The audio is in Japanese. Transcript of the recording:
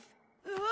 うわ！